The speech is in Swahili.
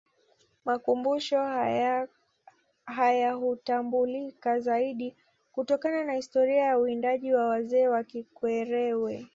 Makumbusho hayahutambulika zaidi kutokana na historia ya uwindaji wa wazee wa Kikerewe